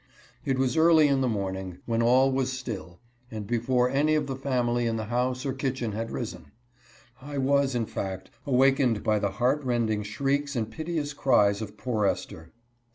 It was early in the morning, when all was still, and before any of the family in the house or kitchen had risen. I was, in fact, awakened by the heart rending shrieks and piteous cries of poor Esther.